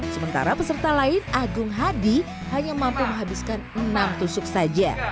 sementara peserta lain agung hadi hanya mampu menghabiskan enam tusuk saja